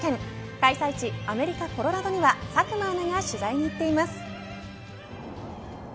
開催地アメリカ、コロラドには佐久間アナが取材に行っています。